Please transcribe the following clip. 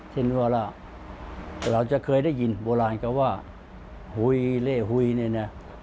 เช่นเวลาเราจะเคยได้ยินโบราณก็ว่าฮุยเลฮุยเนี่ยนะ